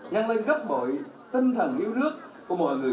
nhăn lên gấp bội tinh thẳng hiếu nước của mọi người